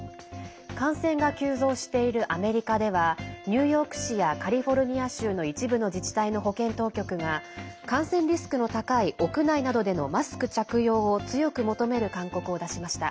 感染が急増しているアメリカではニューヨーク市やカリフォルニア州の一部の自治体の保健当局が感染リスクの高い屋内などでのマスク着用を強く求める勧告を出しました。